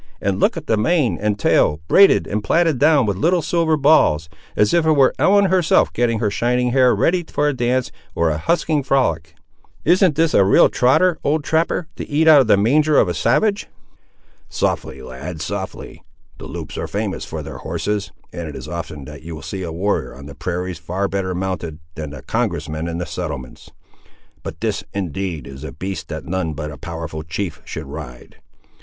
and look at the mane and tail, braided and platted down with little silver balls, as if it were Ellen herself getting her shining hair ready for a dance, or a husking frolic! Isn't this a real trotter, old trapper, to eat out of the manger of a savage?" "Softly, lad, softly. The Loups are famous for their horses, and it is often that you see a warrior on the prairies far better mounted, than a congress man in the settlements. But this, indeed, is a beast that none but a powerful chief should ride!